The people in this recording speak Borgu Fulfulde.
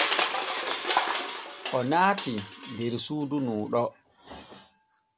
O naatii der suudu nuu ɗo.